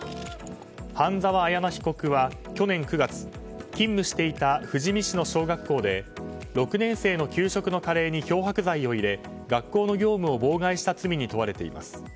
半沢彩奈被告は去年９月勤務していた富士見市の小学校で６年生の給食のカレーに漂白剤を入れ、学校の業務を妨害した罪に問われています。